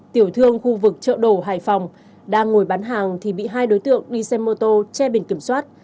tiểu thương khu vực chợ đồ hải phòng đang ngồi bán hàng thì bị hai đối tượng đi xe mô tô che biển kiểm soát